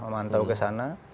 memantau ke sana